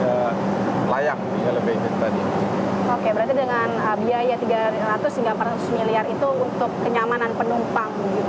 oke berarti dengan biaya tiga ratus hingga empat ratus miliar itu untuk kenyamanan penumpang